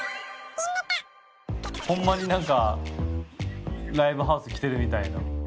ホンマになんかライブハウス来てるみたいな。